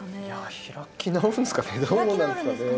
開き直るんですかね。